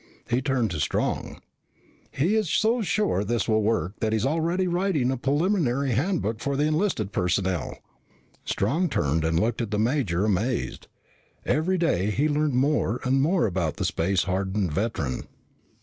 He turned to Strong. "He's so sure this will work that he's already writing a preliminary handbook for the enlisted personnel." Strong turned and looked at the major, amazed. Every day he learned more and more about the space hardened veteran.